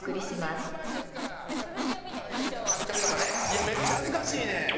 「いやめっちゃ恥ずかしいねん」